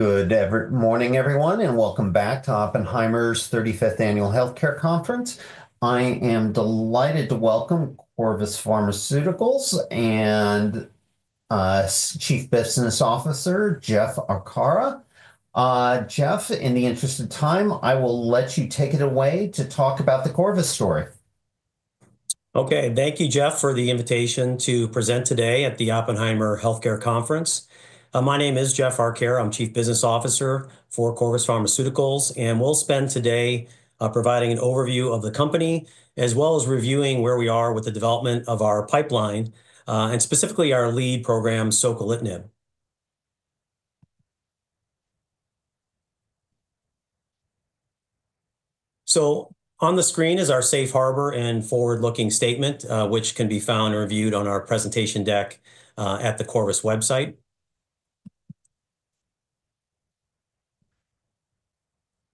Good morning, everyone, and welcome back to Oppenheimer's 35th Annual Healthcare Conference. I am delighted to welcome Corvus Pharmaceuticals and Chief Business Officer Jeff Arcara. Jeff, in the interest of time, I will let you take it away to talk about the Corvus story. Okay, thank you, Jeff, for the invitation to present today at the Oppenheimer Healthcare Conference. My name is Jeff Arcara. I'm Chief Business Officer for Corvus Pharmaceuticals, and we'll spend today providing an overview of the company, as well as reviewing where we are with the development of our pipeline, and specifically our lead program, Soquelitinib. So on the screen is our safe harbor and forward-looking statement, which can be found and reviewed on our presentation deck at the Corvus website.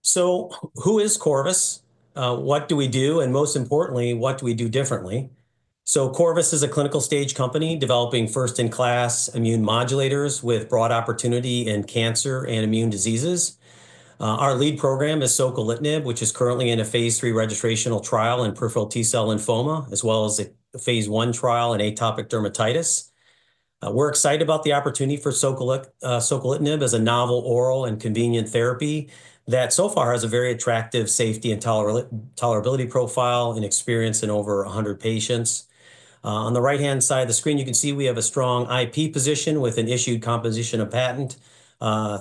So who is Corvus? What do we do? And most importantly, what do we do differently? So Corvus is a clinical stage company developing first-in-class immune modulators with broad opportunity in cancer and immune diseases. Our lead program is Soquelitinib, which is currently in a phase III registrational trial in peripheral T-cell lymphoma, as well as a phase I trial in atopic dermatitis. We're excited about the opportunity for Soquelitinib as a novel oral and convenient therapy that so far has a very attractive safety and tolerability profile and experience in over 100 patients. On the right-hand side of the screen, you can see we have a strong IP position with an issued composition of patent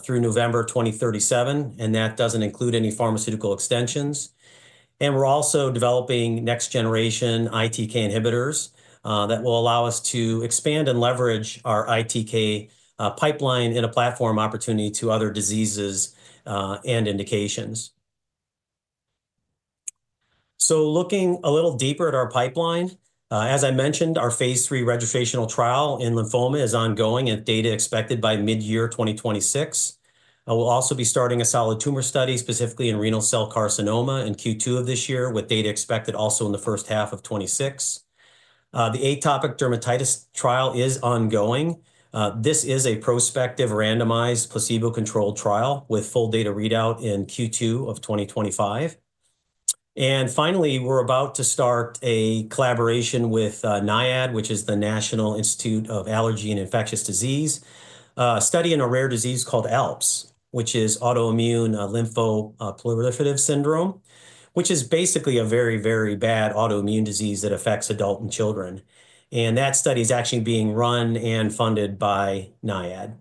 through November 2037, and that doesn't include any pharmaceutical extensions, and we're also developing next-generation ITK inhibitors that will allow us to expand and leverage our ITK pipeline in a platform opportunity to other diseases and indications, so looking a little deeper at our pipeline, as I mentioned, our phase III registrational trial in lymphoma is ongoing, and data expected by mid-year 2026. We'll also be starting a solid tumor study specifically in renal cell carcinoma in Q2 of this year, with data expected also in the first half of 2026. The atopic dermatitis trial is ongoing. This is a prospective randomized placebo-controlled trial with full data readout in Q2 of 2025. And finally, we're about to start a collaboration with NIAID, which is the National Institute of Allergy and Infectious Diseases, studying a rare disease called ALPS, which is autoimmune lymphoproliferative syndrome, which is basically a very, very bad autoimmune disease that affects adults and children. And that study is actually being run and funded by NIAID.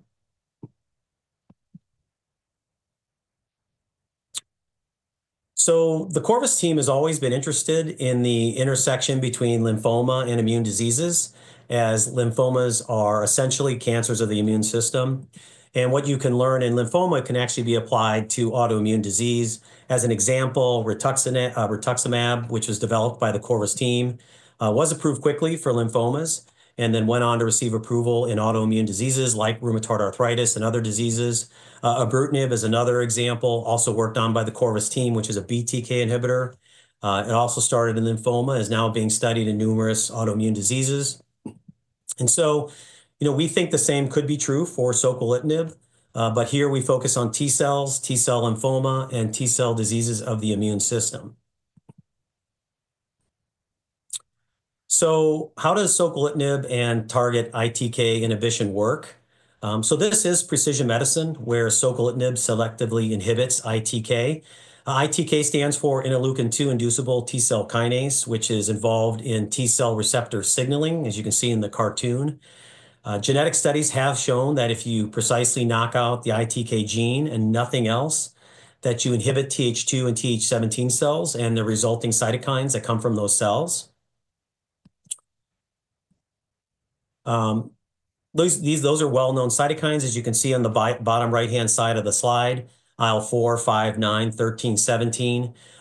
So the Corvus team has always been interested in the intersection between lymphoma and immune diseases, as lymphomas are essentially cancers of the immune system. And what you can learn in lymphoma can actually be applied to autoimmune disease. As an example, rituximab, which was developed by the Corvus team, was approved quickly for lymphomas and then went on to receive approval in autoimmune diseases like rheumatoid arthritis and other diseases. Ibrutinib is another example, also worked on by the Corvus team, which is a BTK inhibitor. It also started in lymphoma, is now being studied in numerous autoimmune diseases. And so we think the same could be true for Soquelitinib, but here we focus on T-cells, T-cell lymphoma, and T-cell diseases of the immune system. So how does Soquelitinib and target ITK inhibition work? So this is precision medicine where Soquelitinib selectively inhibits ITK. ITK stands for interleukin-2 inducible T-cell kinase, which is involved in T-cell receptor signaling, as you can see in the cartoon. Genetic studies have shown that if you precisely knock out the ITK gene and nothing else, that you inhibit Th2 and Th17 cells and the resulting cytokines that come from those cells. Those are well-known cytokines, as you can see on the bottom right-hand side of the slide, IL-4, IL-5, IL-9, IL-13,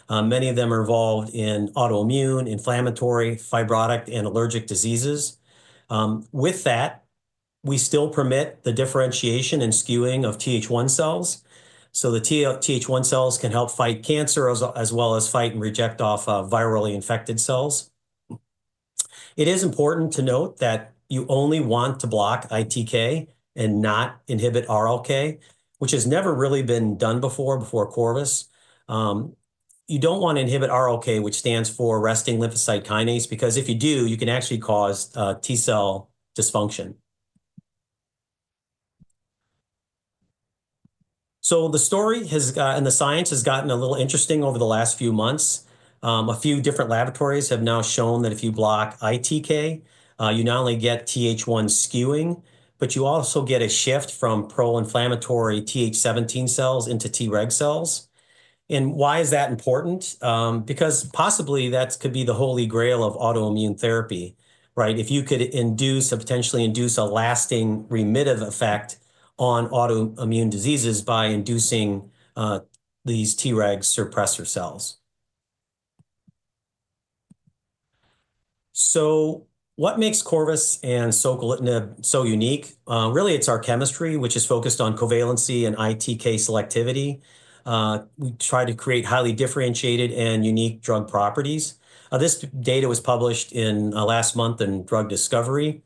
IL-17. Many of them are involved in autoimmune, inflammatory, fibrotic, and allergic diseases. With that, we still permit the differentiation and skewing of Th1 cells. So the Th1 cells can help fight cancer as well as fight and reject off virally infected cells. It is important to note that you only want to block ITK and not inhibit RLK, which has never really been done before Corvus. You don't want to inhibit RLK, which stands for resting lymphocyte kinase, because if you do, you can actually cause T-cell dysfunction. So the story and the science has gotten a little interesting over the last few months. A few different laboratories have now shown that if you block ITK, you not only get Th1 skewing, but you also get a shift from pro-inflammatory Th17 cells into Treg cells. And why is that important? Because possibly that could be the holy grail of autoimmune therapy, right? If you could potentially induce a lasting remissive effect on autoimmune diseases by inducing these Treg suppressor cells. So what makes Corvus and Soquelitinib so unique? Really, it's our chemistry, which is focused on covalency and ITK selectivity. We try to create highly differentiated and unique drug properties. This data was published last month in Drug Discovery.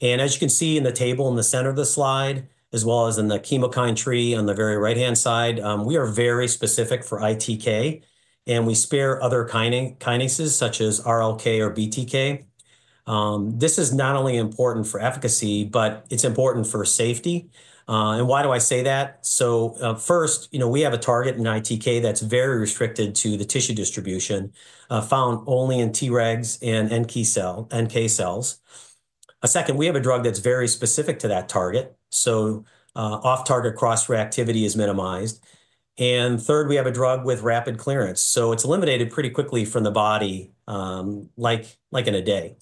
And as you can see in the table in the center of the slide, as well as in the chemokine tree on the very right-hand side, we are very specific for ITK, and we spare other kinases such as RLK or BTK. This is not only important for efficacy, but it's important for safety. And why do I say that? So first, we have a target in ITK that's very restricted to the tissue distribution, found only in Tregs and NK cells. Second, we have a drug that's very specific to that target, so off-target cross-reactivity is minimized. And third, we have a drug with rapid clearance, so it's eliminated pretty quickly from the body like in a day.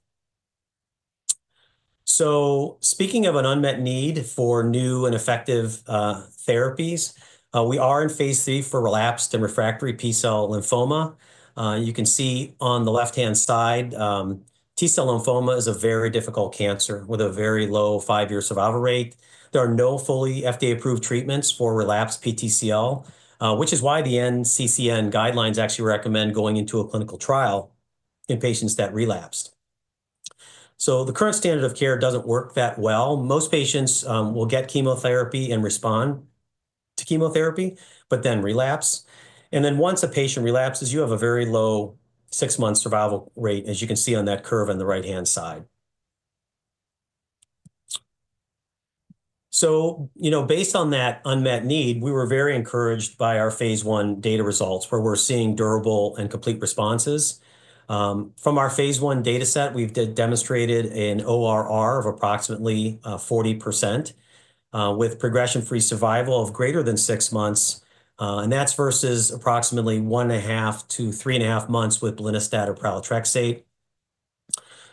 So speaking of an unmet need for new and effective therapies, we are in phase III for relapsed and refractory T-cell lymphoma. You can see on the left-hand side, T-cell lymphoma is a very difficult cancer with a very low five-year survival rate. There are no fully FDA-approved treatments for relapsed PTCL, which is why the NCCN guidelines actually recommend going into a clinical trial in patients that relapsed. The current standard of care doesn't work that well. Most patients will get chemotherapy and respond to chemotherapy, but then relapse. Then once a patient relapses, you have a very low six-month survival rate, as you can see on that curve on the right-hand side. Based on that unmet need, we were very encouraged by our phase I data results where we're seeing durable and complete responses. From our phase I data set, we've demonstrated an ORR of approximately 40% with progression-free survival of greater than six months. That's versus approximately one and a half to three and a half months with belinostat or pralatrexate.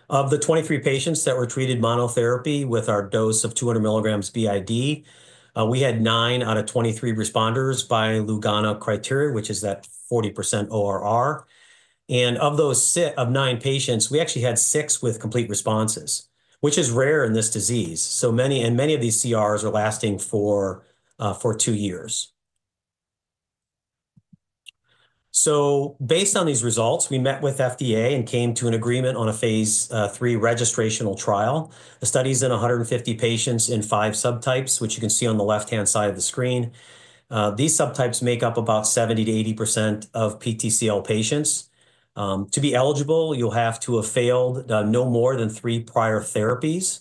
Of the 23 patients that were treated monotherapy with our dose of 200 milligrams b.i.d., we had nine out of 23 responders by Lugano criteria, which is that 40% ORR. Of those nine patients, we actually had six with complete responses, which is rare in this disease. Many of these CRs are lasting for two years. Based on these results, we met with FDA and came to an agreement on a phase III registrational trial. The study is in 150 patients in five subtypes, which you can see on the left-hand side of the screen. These subtypes make up about 70%-80% of PTCL patients. To be eligible, you'll have to have failed no more than three prior therapies.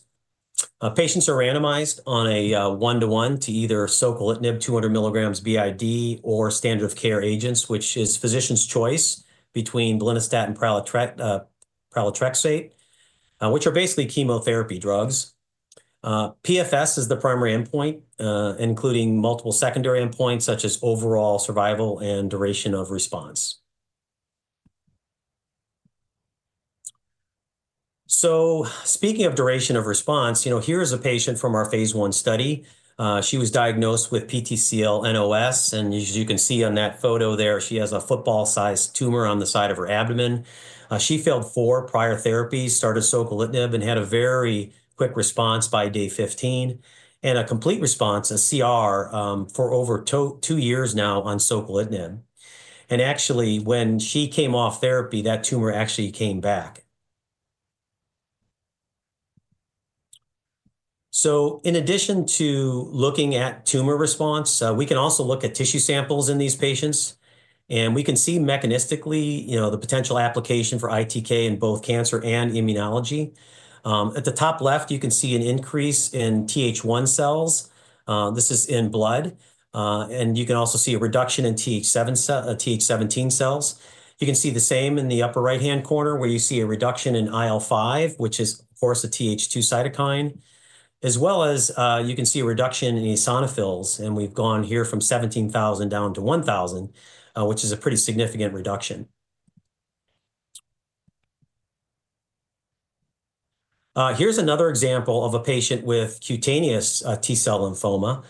Patients are randomized on a one-to-one to either Soquelitinib 200 milligrams b.i.d. or standard of care agents, which is physician's choice between belinostat and Pralotrexate, which are basically chemotherapy drugs. PFS is the primary endpoint, including multiple secondary endpoints such as overall survival and duration of response. So speaking of duration of response, here is a patient from our phase I study. She was diagnosed with PTCL NOS, and as you can see on that photo there, she has a football-sized tumor on the side of her abdomen. She failed four prior therapies, started Soquelitinib, and had a very quick response by day 15, and a complete response, a CR, for over two years now on Soquelitinib. And actually, when she came off therapy, that tumor actually came back. So in addition to looking at tumor response, we can also look at tissue samples in these patients. And we can see mechanistically the potential application for ITK in both cancer and immunology. At the top left, you can see an increase in Th1 cells. This is in blood. And you can also see a reduction in Th17 cells. You can see the same in the upper right-hand corner where you see a reduction in IL-5, which is, of course, a Th2 cytokine, as well as you can see a reduction in eosinophils, and we've gone here from 17,000 down to 1,000, which is a pretty significant reduction. Here's another example of a patient with cutaneous T-cell lymphoma.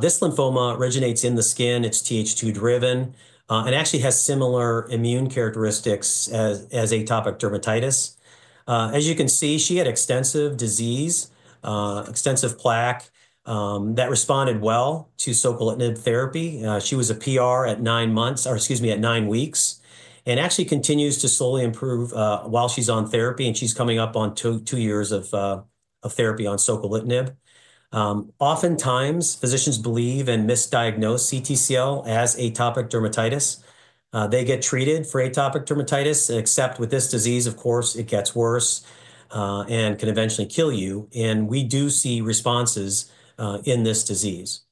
This lymphoma originates in the skin. It's Th2-driven and actually has similar immune characteristics as atopic dermatitis. As you can see, she had extensive disease, extensive plaque that responded well to Soquelitinib therapy. She was a PR at nine months, or excuse me, at nine weeks, and actually continues to slowly improve while she's on therapy, and she's coming up on two years of therapy on Soquelitinib. Oftentimes, physicians believe and misdiagnose CTCL as atopic dermatitis. They get treated for atopic dermatitis, except with this disease, of course, it gets worse and can eventually kill you. And we do see responses in this disease.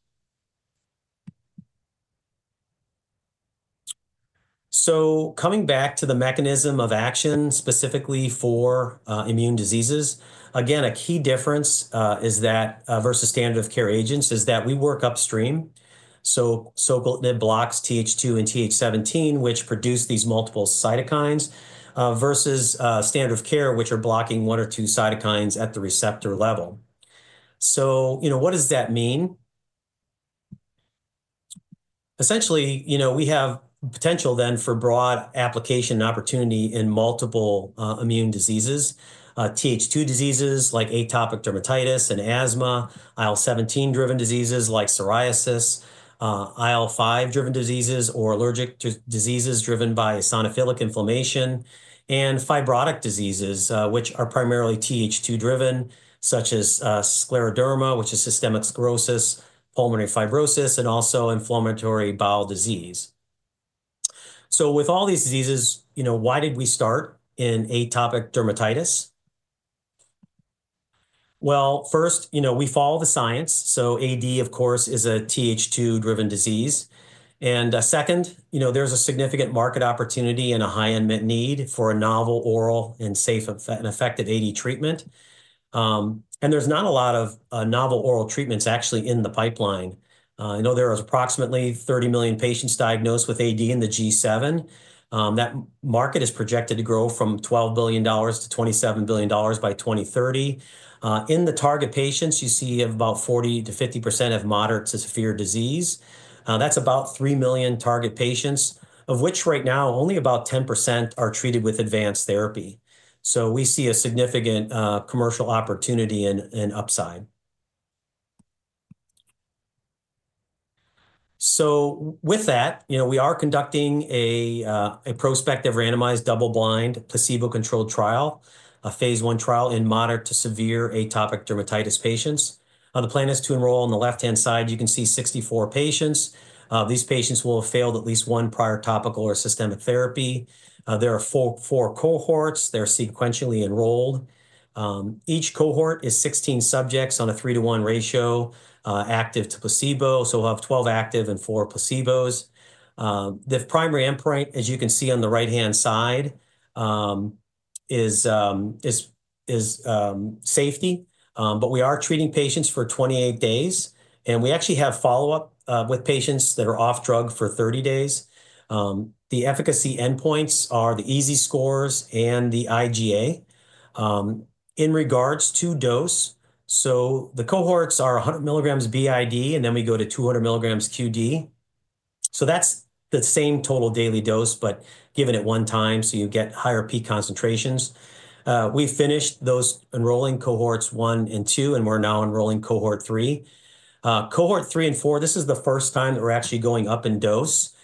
So coming back to the mechanism of action specifically for immune diseases, again, a key difference versus standard of care agents is that we work upstream. So Soquelitinib blocks Th2 and Th17, which produce these multiple cytokines, versus standard of care, which are blocking one or two cytokines at the receptor level. So what does that mean? Essentially, we have potential then for broad application and opportunity in multiple immune diseases, Th2 diseases like atopic dermatitis and asthma, IL-17-driven diseases like psoriasis, IL-5-driven diseases or allergic diseases driven by eosinophilic inflammation, and fibrotic diseases, which are primarily Th2-driven, such as scleroderma, which is systemic sclerosis, pulmonary fibrosis, and also inflammatory bowel disease. With all these diseases, why did we start in atopic dermatitis? First, we follow the science. AD, of course, is a Th2-driven disease. Second, there's a significant market opportunity and a high unmet need for a novel oral and safe and effective AD treatment. There's not a lot of novel oral treatments actually in the pipeline. There are approximately 30 million patients diagnosed with AD in the G7. That market is projected to grow from $12 billion-$27 billion by 2030. In the target patients, you see about 40%-50% of moderate to severe disease. That's about three million target patients, of which right now only about 10% are treated with advanced therapy. We see a significant commercial opportunity and upside. So with that, we are conducting a prospective randomized double-blind placebo-controlled trial, a phase I trial in moderate to severe atopic dermatitis patients. The plan is to enroll on the left-hand side. You can see 64 patients. These patients will have failed at least one prior topical or systemic therapy. There are four cohorts. They're sequentially enrolled. Each cohort is 16 subjects on a three-to-one ratio, active to placebo. So we'll have 12 active and four placebos. The primary endpoint, as you can see on the right-hand side, is safety. But we are treating patients for 28 days. And we actually have follow-up with patients that are off drug for 30 days. The efficacy endpoints are the EASI scores and the IgA. In regards to dose, so the cohorts are 100 milligrams b.i.d., and then we go to 200 milligrams q.d. That's the same total daily dose, but given at one time, so you get higher peak concentrations. We finished enrolling those cohorts one and two, and we're now enrolling cohort three. Cohorts three and four. This is the first time that we're actually going up in dose.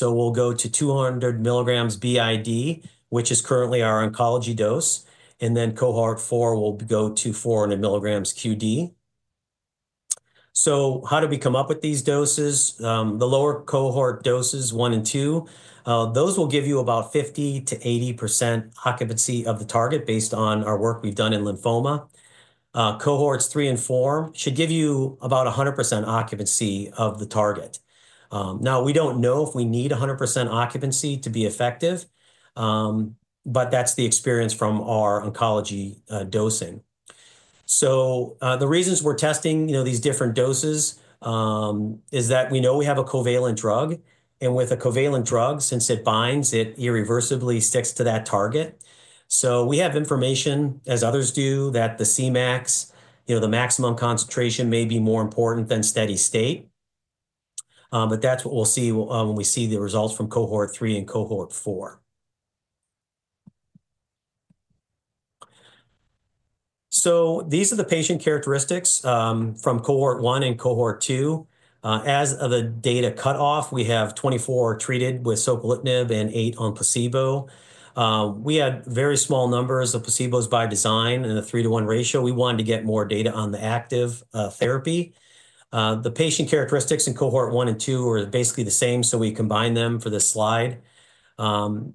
We'll go to 200 milligrams b.i.d., which is currently our oncology dose. Then cohort four, we'll go to 400 milligrams q.d. How do we come up with these doses? The lower cohort doses, one and two, those will give you about 50%-80% occupancy of the target based on our work we've done in lymphoma. Cohorts three and four should give you about 100% occupancy of the target. Now, we don't know if we need 100% occupancy to be effective, but that's the experience from our oncology dosing. The reasons we're testing these different doses is that we know we have a covalent drug. And with a covalent drug, since it binds, it irreversibly sticks to that target. So we have information, as others do, that the Cmax, the maximum concentration may be more important than steady state. But that's what we'll see when we see the results from cohort three and cohort four. So these are the patient characteristics from cohort one and cohort two. As of the data cutoff, we have 24 treated with Soquelitinib and eight on placebo. We had very small numbers of placebos by design and a three-to-one ratio. We wanted to get more data on the active therapy. The patient characteristics in cohort one and two are basically the same, so we combined them for this slide.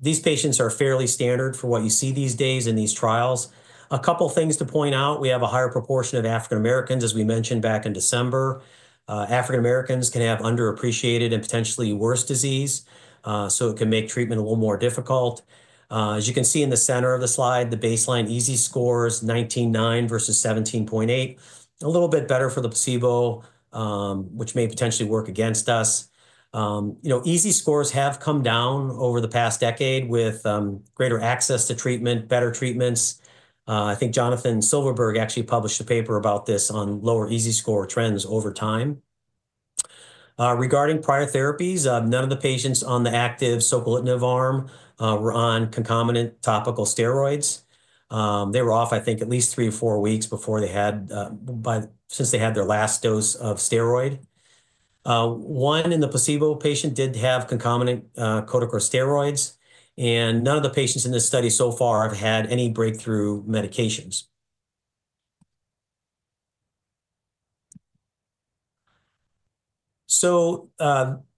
These patients are fairly standard for what you see these days in these trials. A couple of things to point out. We have a higher proportion of African Americans, as we mentioned back in December. African Americans can have underappreciated and potentially worse disease, so it can make treatment a little more difficult. As you can see in the center of the slide, the baseline EASI score is 19.9 versus 17.8, a little bit better for the placebo, which may potentially work against us. EASI scores have come down over the past decade with greater access to treatment, better treatments. I think Jonathan Silverberg actually published a paper about this on lower EASI score trends over time. Regarding prior therapies, none of the patients on the active Soquelitinib arm were on concomitant topical steroids. They were off, I think, at least three or four weeks before they had, since they had their last dose of steroid. One in the placebo patient did have concomitant corticosteroids, and none of the patients in this study so far have had any breakthrough medications, so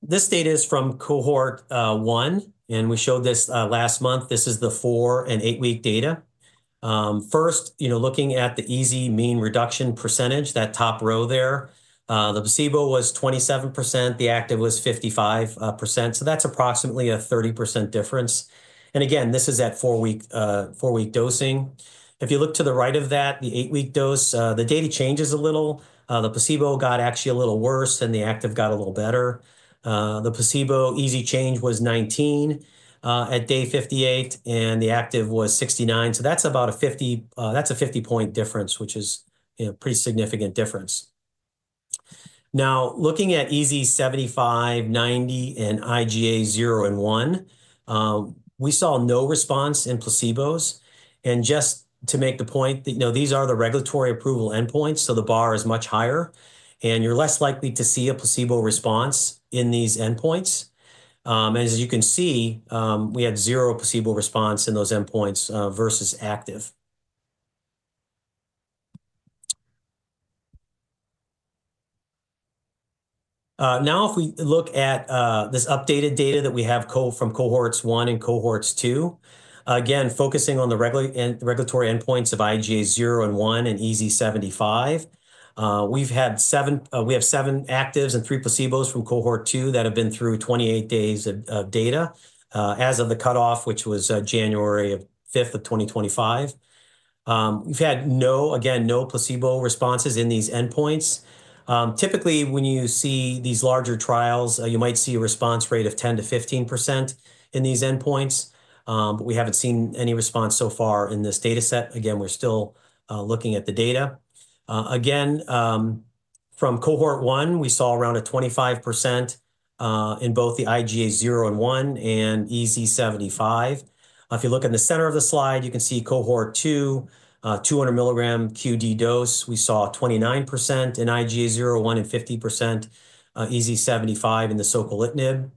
this data is from cohort one, and we showed this last month. This is the four and eight-week data. First, looking at the EASI mean reduction percentage, that top row there, the placebo was 27%. The active was 55%. That's approximately a 30% difference, and again, this is at four-week dosing. If you look to the right of that, the eight-week dose, the data changes a little. The placebo EASI change was 19% at day 58, and the active was 69%. That's about a 50-point difference, which is a pretty significant difference. Now, looking at EASI 75, 90, and IgA 0 and 1, we saw no response in placebos. Just to make the point, these are the regulatory approval endpoints, so the bar is much higher. You're less likely to see a placebo response in these endpoints. As you can see, we had zero placebo response in those endpoints versus active. Now, if we look at this updated data that we have from cohorts one and cohorts two, again, focusing on the regulatory endpoints of IgA 0 and 1 and EASI 75, we have seven actives and three placebos from cohort two that have been through 28 days of data as of the cutoff, which was January 5th of 2025. We've had, again, no placebo responses in these endpoints. Typically, when you see these larger trials, you might see a response rate of 10%-15% in these endpoints. We haven't seen any response so far in this data set. Again, we're still looking at the data. Again, from cohort one, we saw around 25% in both the IgA 0 and 1 and EASI 75. If you look in the center of the slide, you can see cohort two, 200 milligram q.d. dose. We saw 29% in IgA 0, 1, and 50% EASI 75 in the Soquelitinib.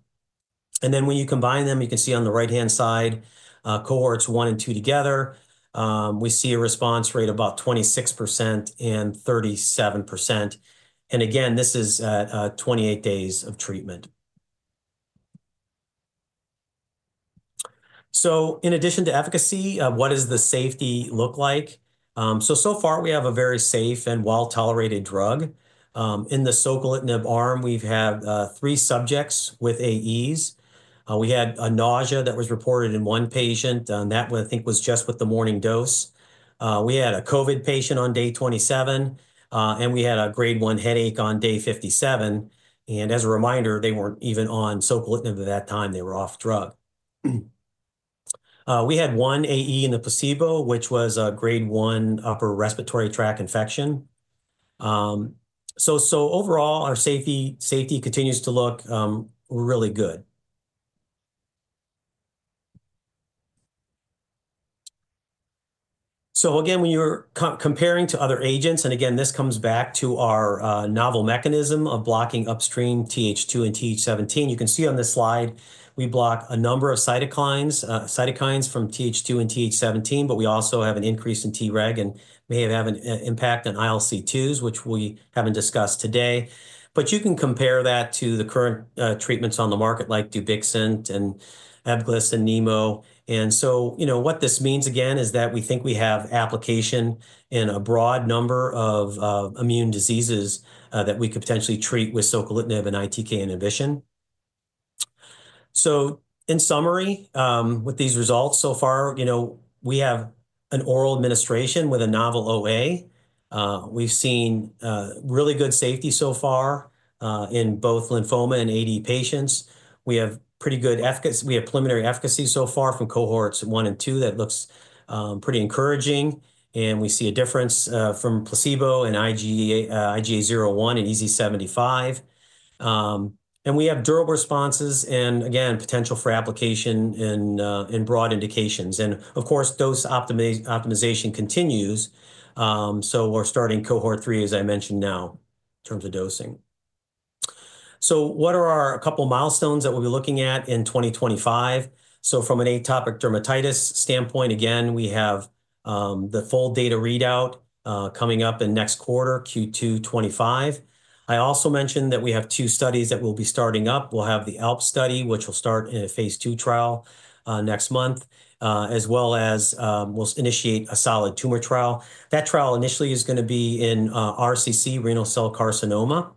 Then when you combine them, you can see on the right-hand side, cohorts one and two together. We see a response rate of about 26% and 37%. Again, this is at 28 days of treatment. In addition to efficacy, what does the safety look like? So far, we have a very safe and well-tolerated drug. In the Soquelitinib arm, we've had three subjects with AEs. We had a nausea that was reported in one patient, and that, I think, was just with the morning dose. We had a COVID patient on day 27, and we had a grade 1 headache on day 57. As a reminder, they weren't even on Soquelitinib at that time. They were off drug. We had one AE in the placebo, which was a grade 1 upper respiratory tract infection. Overall, our safety continues to look really good. Again, when you're comparing to other agents, and again, this comes back to our novel mechanism of blocking upstream Th2 and Th17, you can see on this slide, we block a number of cytokines from Th2 and Th17, but we also have an increase in Treg and may have an impact on ILC2s, which we haven't discussed today. You can compare that to the current treatments on the market, like Dupixent and Ebglyss and Nemo. And so what this means, again, is that we think we have application in a broad number of immune diseases that we could potentially treat with Soquelitinib and ITK inhibition. So in summary, with these results so far, we have an oral administration with a novel OA. We've seen really good safety so far in both lymphoma and AD patients. We have pretty good efficacy. We have preliminary efficacy so far from cohorts one and two that looks pretty encouraging. And we see a difference from placebo in IgA 0, 1 and EASI 75. And we have durable responses and, again, potential for application in broad indications. And of course, dose optimization continues. So we're starting cohort three, as I mentioned, now in terms of dosing. So what are our couple of milestones that we'll be looking at in 2025? So from an atopic dermatitis standpoint, again, we have the full data readout coming up in next quarter, Q2 2025. I also mentioned that we have two studies that we'll be starting up. We'll have the ALPS study, which will start in a phase II trial next month, as well as we'll initiate a solid tumor trial. That trial initially is going to be in RCC, renal cell carcinoma.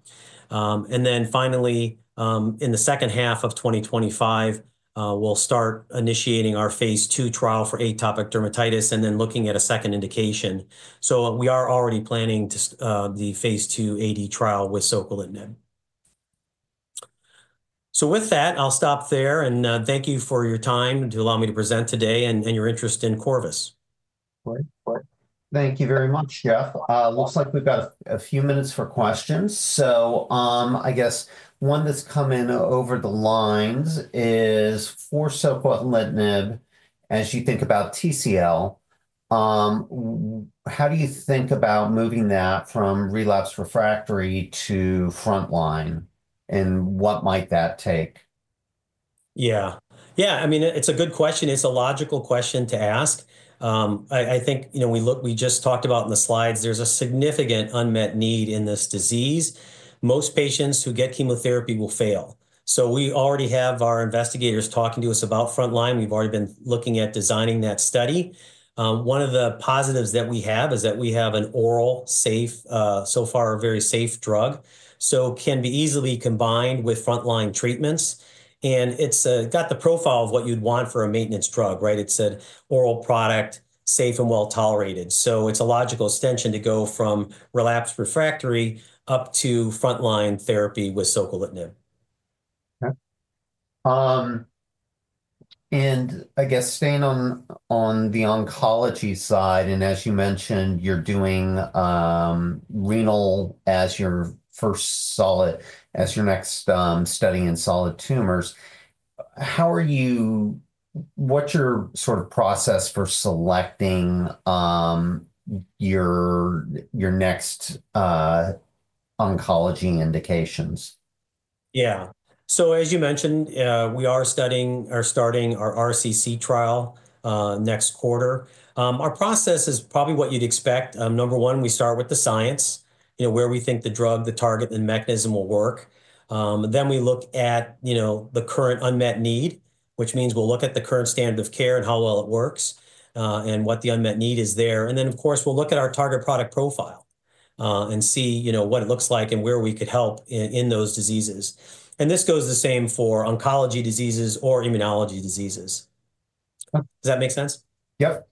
And then finally, in the second half of 2025, we'll start initiating our phase II trial for atopic dermatitis and then looking at a second indication. So we are already planning the phase II AD trial with Soquelitinib. So with that, I'll stop there. And thank you for your time to allow me to present today and your interest in Corvus. Thank you very much, Jeff. Looks like we've got a few minutes for questions. So I guess one that's come in over the lines is for Soquelitinib, as you think about PTCL, how do you think about moving that from relapse refractory to frontline? And what might that take? Yeah. Yeah. I mean, it's a good question. It's a logical question to ask. I think we just talked about in the slides, there's a significant unmet need in this disease. Most patients who get chemotherapy will fail. So we already have our investigators talking to us about frontline. We've already been looking at designing that study. One of the positives that we have is that we have an oral, so far, a very safe drug. So it can be easily combined with frontline treatments. And it's got the profile of what you'd want for a maintenance drug, right? It's an oral product, safe and well-tolerated. So it's a logical extension to go from relapse refractory up to frontline therapy with Soquelitinib. Okay. And I guess staying on the oncology side, and as you mentioned, you're doing renal as your first solid, as your next study in solid tumors. What's your sort of process for selecting your next oncology indications? Yeah. So as you mentioned, we are studying or starting our RCC trial next quarter. Our process is probably what you'd expect. Number one, we start with the science, where we think the drug, the target, and mechanism will work. Then we look at the current unmet need, which means we'll look at the current standard of care and how well it works and what the unmet need is there. And then, of course, we'll look at our target product profile and see what it looks like and where we could help in those diseases. And this goes the same for oncology diseases or immunology diseases. Does that make sense? Yep.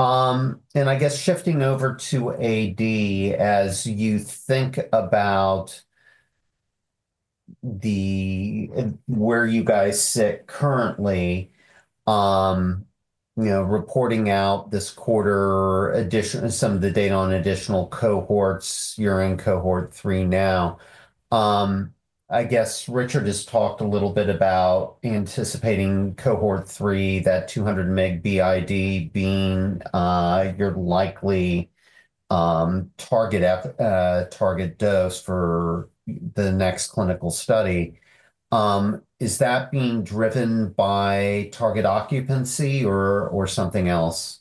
And I guess shifting over to AD, as you think about where you guys sit currently, reporting out this quarter some of the data on additional cohorts. You're in cohort three now. I guess Richard has talked a little bit about anticipating cohort three, that 200 mg b.i.d. being your likely target dose for the next clinical study. Is that being driven by target occupancy or something else?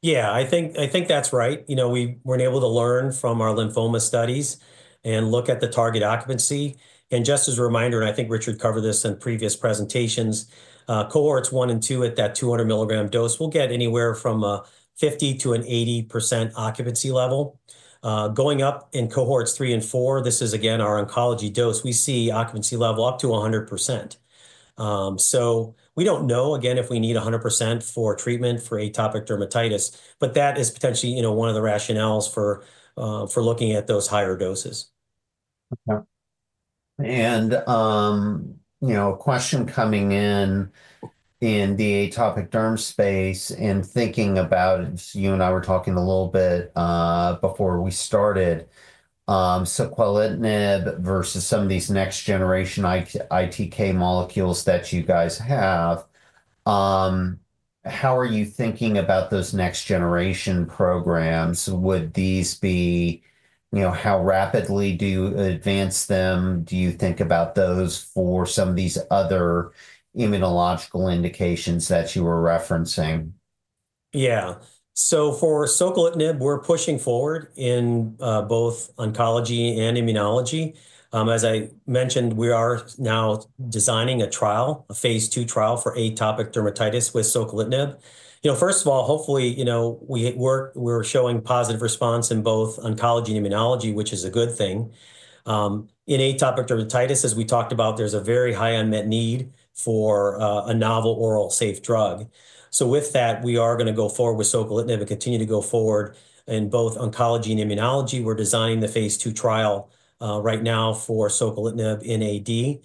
Yeah. I think that's right. We've been able to learn from our lymphoma studies and look at the target occupancy. And just as a reminder, and I think Richard covered this in previous presentations, cohorts one and two at that 200 milligram dose will get anywhere from a 50%-80% occupancy level. Going up in cohorts three and four, this is, again, our oncology dose. We see occupancy level up to 100%. So we don't know, again, if we need 100% for treatment for atopic dermatitis, but that is potentially one of the rationales for looking at those higher doses. Okay, and a question coming in in the atopic derm space and thinking about, as you and I were talking a little bit before we started, Soquelitinib versus some of these next-generation ITK molecules that you guys have. How are you thinking about those next-generation programs? Would these be how rapidly do you advance them? Do you think about those for some of these other immunological indications that you were referencing? Yeah. So for Soquelitinib, we're pushing forward in both oncology and immunology. As I mentioned, we are now designing a trial, a phase II trial for atopic dermatitis with Soquelitinib. First of all, hopefully, we're showing positive response in both oncology and immunology, which is a good thing. In atopic dermatitis, as we talked about, there's a very high unmet need for a novel oral safe drug. So with that, we are going to go forward with Soquelitinib and continue to go forward in both oncology and immunology. We're designing the phase II trial right now for Soquelitinib in AD.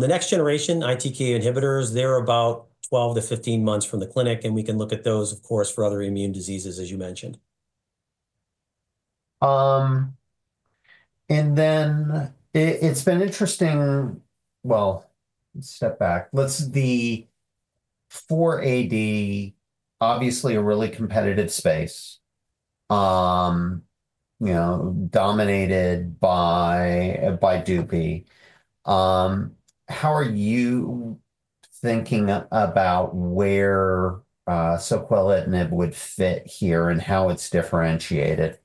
The next-generation ITK inhibitors, they're about 12 to 15 months from the clinic, and we can look at those, of course, for other immune diseases, as you mentioned. And then it's been interesting, well, step back. The AD, obviously a really competitive space, dominated by Dupy. How are you thinking about where Soquelitinib would fit here and how it's differentiated?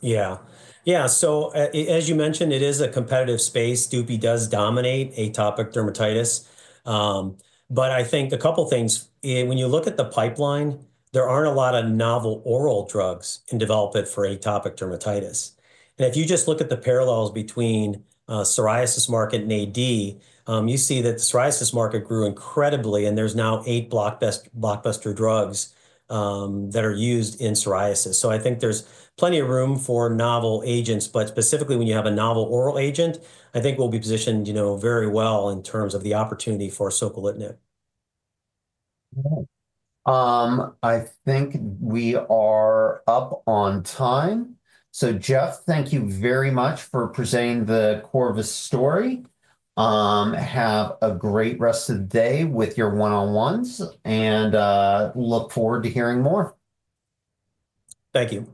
Yeah. Yeah. So as you mentioned, it is a competitive space. Dupy does dominate atopic dermatitis. But I think a couple of things. When you look at the pipeline, there aren't a lot of novel oral drugs in development for atopic dermatitis. And if you just look at the parallels between psoriasis market and AD, you see that the psoriasis market grew incredibly, and there's now eight blockbuster drugs that are used in psoriasis. So I think there's plenty of room for novel agents. But specifically, when you have a novel oral agent, I think we'll be positioned very well in terms of the opportunity for Soquelitinib. I think we are up on time. So Jeff, thank you very much for presenting the Corvus story. Have a great rest of the day with your one-on-ones, and look forward to hearing more. Thank you.